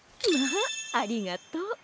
まあありがとう。